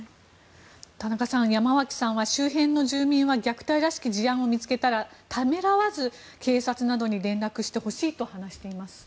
田中さん山脇さんは、周辺の住民は虐待らしき事案を見つけたらためらわず警察などに連絡してほしいと話しています。